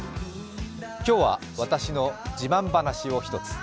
今日は私の自慢話を一つ。